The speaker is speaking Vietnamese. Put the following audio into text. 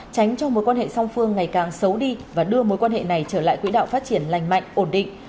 tránh cho mối quan hệ song phương ngày càng xấu đi và đưa mối quan hệ này trở lại quỹ đạo phát triển lành mạnh ổn định